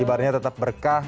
ibaratnya tetap berkah